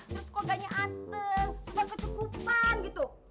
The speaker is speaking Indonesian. terus keluarganya atuh cuma kecukupan gitu